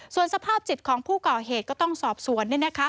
ส่วนสภาพจิตของผู้ก่อเหตุก็ต้องสอบสวน